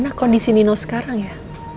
nah kondisi nino sekarang ya